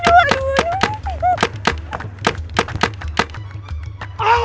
aduh aduh aduh